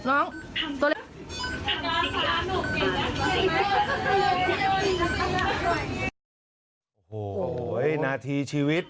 โอ้โหนาทีชีวิต